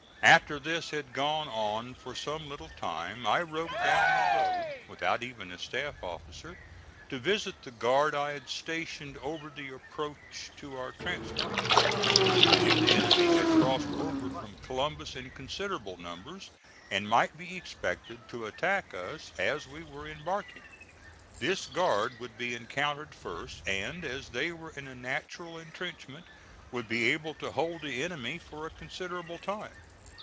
After this had gone on for some little time I rode down the road, without even a staff officer, to visit the guard I had stationed over the approach to our transports. I knew the enemy had crossed over from Columbus in considerable numbers and might be expected to attack us as we were embarking. This guard would be encountered first and, as they were in a natural intrenchment, would be able to hold the enemy for a considerable time.